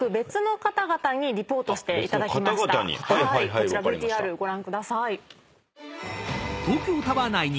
こちらＶＴＲご覧ください。